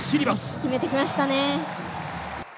決めてきましたね。